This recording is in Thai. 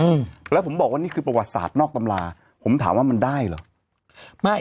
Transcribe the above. อืมแล้วผมบอกว่านี่คือประวัติศาสตร์นอกตำราผมถามว่ามันได้เหรอไม่